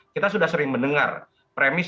kita sudah sering mendengar premis